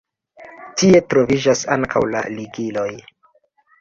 Tie troviĝas ankaŭ la ligiloj.